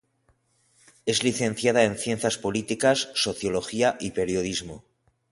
Es licenciada en Ciencias Políticas, Sociología y Periodismo.